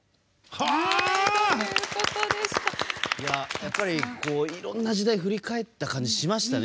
やっぱりいろんな時代を振り返った感じがしましたね。